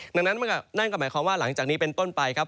ดังนั้นนั่นก็หมายความว่าหลังจากนี้เป็นต้นไปครับ